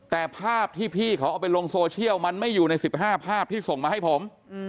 แต่ภาพที่พี่เขาเอาไปลงโซเชียลมันไม่อยู่ใน๑๕ภาพที่ส่งมาให้ผม